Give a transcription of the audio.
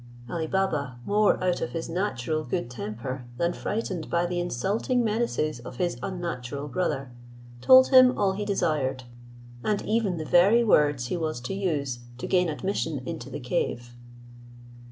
Ali Baba, more out of his natural good temper, than frightened by the insulting menaces of his unnatural brother, told him all he desired, and even the very words he was to use to gain admission into the cave.